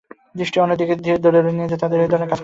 দৃষ্টি অন্যদিকে নিয়ে যেতে হলে তাদের এ ধরনের কাজ করতে হবে।